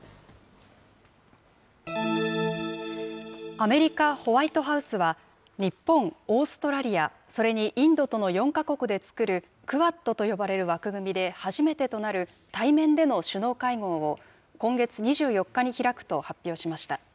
アメリカ・ホワイトハウスは、日本、オーストラリア、それにインドとの４か国でつくるクアッドと呼ばれる枠組みで、初めてとなる対面での首脳会合を、今月２４日に開くと発表しました。